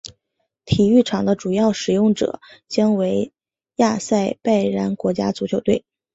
体育场的主要使用者将为亚塞拜然国家足球队。